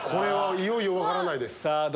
いよいよ分からないです。